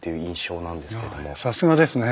さすがですね。